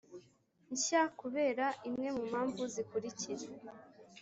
Nshya kubera imwe mu mpamvu zikurikira